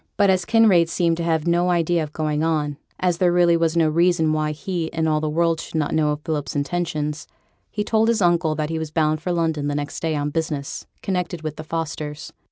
But as Kinraid seemed to have no idea of going on, and as there really was no reason why he and all the world should not know of Philip's intentions, he told his uncle that he was bound for London the next day on business connected with the Fosters.